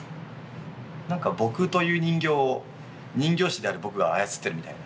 なんか僕という人形を人形師である僕が操ってるみたいな。